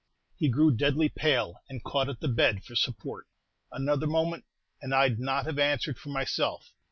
He grew deadly pale, and caught at the bed for support. Another moment, and I 'd not have answered for myself.